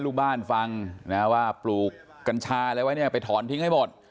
ลูกบ้านฟังนะว่าปลูกกัญชาอะไรไว้เนี่ยไปถอนทิ้งให้หมด